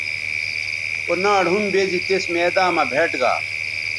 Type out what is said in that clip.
او ناڑ ھم بیزی تس میداں مہ بھیٹ گا